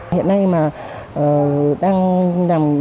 hiện nay mà đang làm